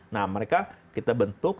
nah mereka kita bentuk